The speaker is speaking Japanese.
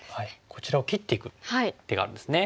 こちらを切っていく手があるんですね。